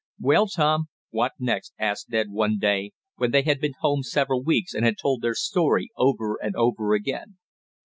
"Well, Tom, what next?" asked Ned one day, when they had been home several weeks and had told their story over and over again.